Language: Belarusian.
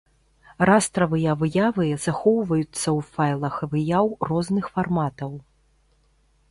Растравыя выявы захоўваюцца ў файлах выяў розных фарматаў.